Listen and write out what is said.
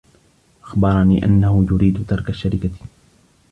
أخبرني أنه يريد ترك الشركة.